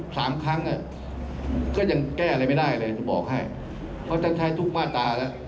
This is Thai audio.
ผมบอกให้ว่าใช้ทุกมาตรีอะ